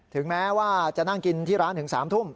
ถึงแม้ว่าจะนั่งกินที่ร้านถึง๓ทุ่ม